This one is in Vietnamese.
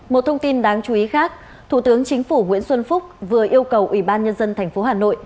một thông tin đáng chú ý khác thủ tướng chính phủ nguyễn xuân phúc vừa yêu cầu ủy ban nhân dân tp hà nội